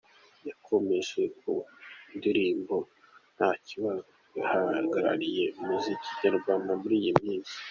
Yakomereje ku ndirimbo 'Ntakibazo' ihagarariye umuziki nyarwanda muri iyi minsi.